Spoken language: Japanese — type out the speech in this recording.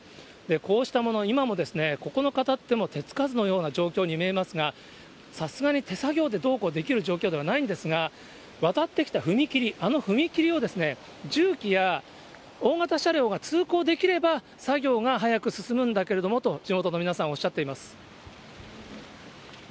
こうしたもの、今も、９日たっても手つかずのような状況に見えますが、さすがに手作業でどうこうできる状況ではないんですが、渡ってきた踏切、あの踏切を重機や大型車両が通行できれば、作業が早く進むんだけれどもと、地元の皆さん、おっしゃっています。